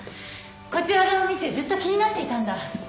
こちら側を見てずっと気になっていたんだ。